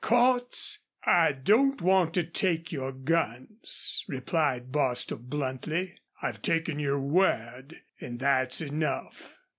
"Cordts, I don't want to take your guns," replied Bostil, bluntly. "I've taken your word an' that's enough."